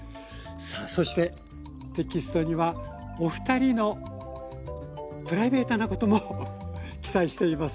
そしてテキストにはお二人のプライベートなことも記載しています。